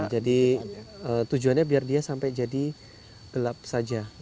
jadi tujuannya biar dia sampai jadi gelap saja